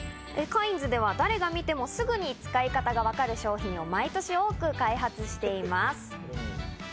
カインズでは誰が見てもすぐに使い方がわかる商品を毎年多く開発しています。